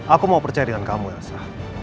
aku mau percaya dengan kamu elsa